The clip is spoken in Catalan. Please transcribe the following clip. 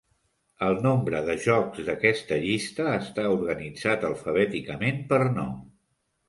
El nombre de jocs d'aquesta llista està organitzat alfabèticament per nom.